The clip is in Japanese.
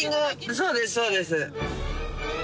そうですそうです。